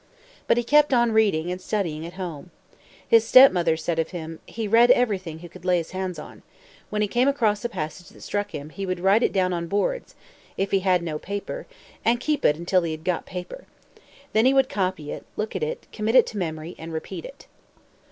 But he kept on reading and studying at home. His step mother said of him: "He read everything he could lay his hands on. When he came across a passage that struck him, he would write it down on boards, if he had no paper, and keep it until he had got paper. Then he would copy it, look at it, commit it to memory, and repeat it."